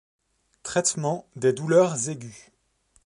Traitement des douleurs aiguës.